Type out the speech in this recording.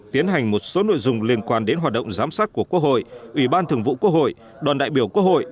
tiến hành một số nội dung liên quan đến hoạt động giám sát của quốc hội ủy ban thường vụ quốc hội đoàn đại biểu quốc hội